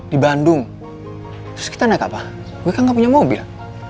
di bandung terus kita naik apa mereka nggak punya mobil